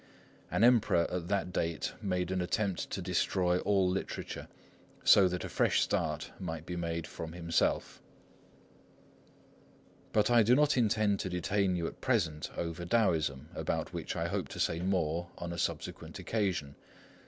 An Emperor at that date made an attempt to destroy all literature, so that a fresh start might be made from himself. But I do not intend to detain you at present over Taoism, about which I hope to say more on a subsequent occasion.